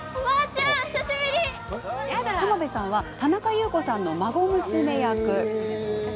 浜辺さんは田中裕子さんの孫娘役。